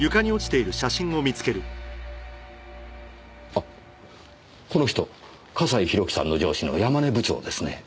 あっこの人笠井宏樹さんの上司の山根部長ですね。